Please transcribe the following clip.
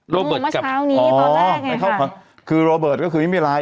โรเบิร์ตกับอ๋อคือโรเบิร์ตก็คือไม่มีไร